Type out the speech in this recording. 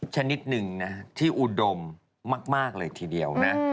ชนิดหนึ่งนะที่อุดมมากเลยทีเดียวนะ